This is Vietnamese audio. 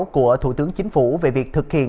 của thủ tướng chính phủ về việc thực hiện